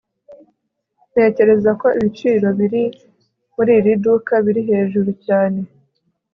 ntekereza ko ibiciro biri muri iri duka biri hejuru cyane